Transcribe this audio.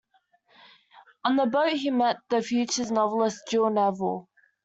On the boat he met the future novelist Jill Neville.